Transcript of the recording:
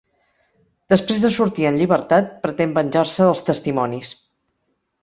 Després de sortir en llibertat, pretén venjar-se dels testimonis.